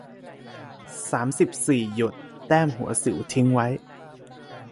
สามสิบสี่ หยด แต้มหัวสิวทิ้งไว้